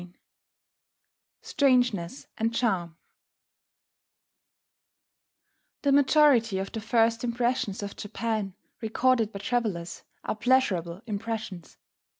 STRANGENESS AND CHARM The majority of the first impressions of Japan recorded by travellers are pleasurable impressions.